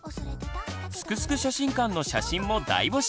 「すくすく写真館」の写真も大募集！